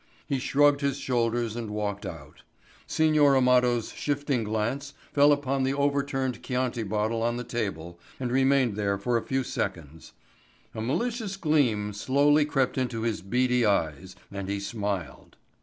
He shrugged his shoulders and walked out. Signor Amado's shifting glance fell upon the overturned Chianti bottle on the table and remained there for a few seconds. A malicious gleam slowly crept into his beady eyes and he smiled.